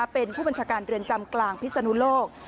เป็นผู้บัญชาการเรือนจำกลางพิศนุโลก